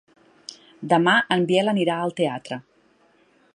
Demà en Biel anirà al teatre.